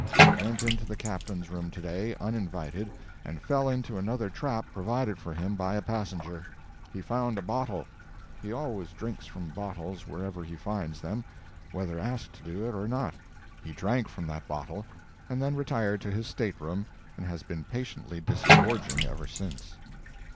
He went into the Captain's room to day, uninvited, and fell into another trap provided for him by a passenger. He found a bottle—he always drinks from bottles wherever he finds them, whether asked to do it or not. He drank from that bottle, and then retired to his stateroom and has been patiently disgorging ever since.